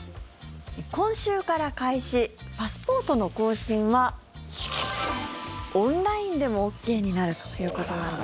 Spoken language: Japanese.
今週から開始パスポートの更新はオンラインでもＯＫになるということなんです。